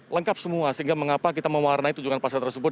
lengkap semua sehingga mengapa kita mewarnai tunjungan pasien tersebut